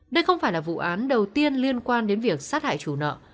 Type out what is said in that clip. đây không phải là vụ án đầu tiên liên quan đến việc sát hại chủ nợ